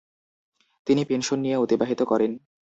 তিনি পেনশন নিয়ে অতিবাহিত করেন।